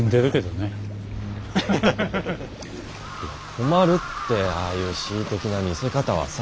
困るってああいう恣意的な見せ方はさ。